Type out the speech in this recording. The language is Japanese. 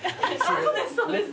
そうですそうです。